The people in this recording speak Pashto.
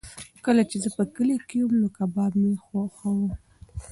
کله چې زه په کلي کې وم نو کباب مې خوښاوه.